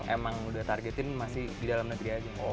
emang udah targetin masih di dalam negeri aja kok